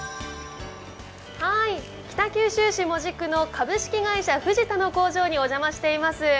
北九州市門司区の株式会社ふじたの工場にお邪魔しています。